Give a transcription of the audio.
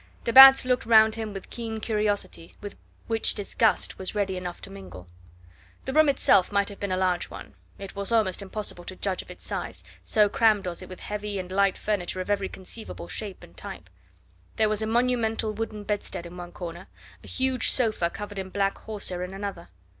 De Batz looked round him with keen curiosity with which disgust was ready enough to mingle. The room itself might have been a large one; it was almost impossible to judge of its size, so crammed was it with heavy and light furniture of every conceivable shape and type. There was a monumental wooden bedstead in one corner, a huge sofa covered in black horsehair in another.